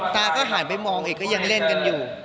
ตาก็หันไปมองอีกก็ยังเล่นกันอยู่